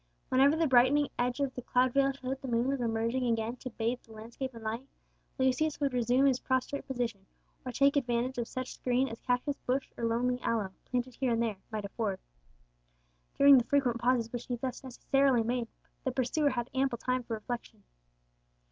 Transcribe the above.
Whenever the brightening edge of the cloud veil showed that the moon was emerging again to bathe the landscape in light, Lucius would resume his prostrate position, or take advantage of such screen as cactus bush or lonely aloe, planted here and there, might afford. During the frequent pauses which he thus necessarily made, the pursuer had ample time for reflection.